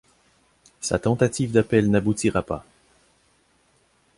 Sa tentative d’appel n’aboutira pas.